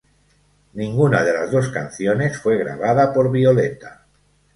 Ninguna de las dos canciones fue grabada por Violeta.